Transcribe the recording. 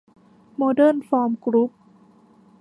โมเดอร์นฟอร์มกรุ๊ป